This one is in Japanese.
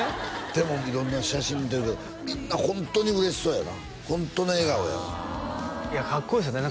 でも色んな写真見てるけどみんなホントに嬉しそうやなホントの笑顔やわああいやかっこいいですよね